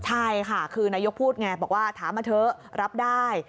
ใช่ค่ะคือนายกพูดไงบอกว่าถามมาเถอะรับได้